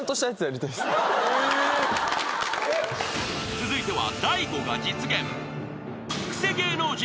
［続いては］